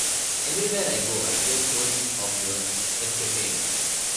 Everywhere I go I hear stories of your escapades.